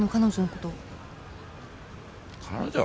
彼女？